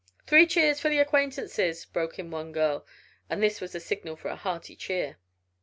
"Three cheers for the acquaintances," broke in one girl, and this was the signal for a hearty cheer.